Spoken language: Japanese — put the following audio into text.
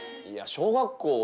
いや小学校。